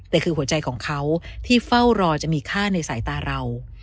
แต่คือหัวใจของเขาที่เฝ้ารอจะมีค่าในสายตาเรา